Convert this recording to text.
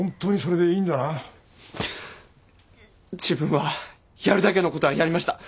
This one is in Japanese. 自分はやるだけのことはやりました。